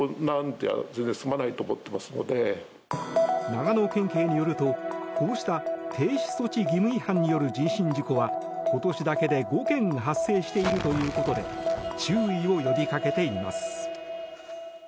長野県警によるとこうした停止措置義務違反による人身事故は今年だけで５件発生しているということで注意を呼びかけています。